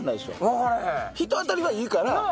人当たりはいいから。